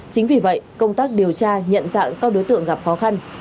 chính vì vậy công tác điều tra nhận dạng các đối tượng gặp khó khăn